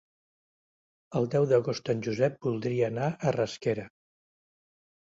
El deu d'agost en Josep voldria anar a Rasquera.